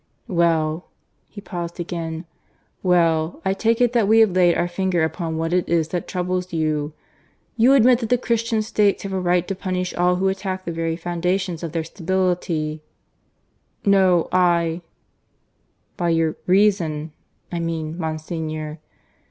"Well ..." he paused again. "Well, I take it that we have laid our finger upon what it is that troubles you. You admit that the Christian States have a right to punish all who attack the very foundations of their stability " "No I " "By your reason, I mean, Monsignor."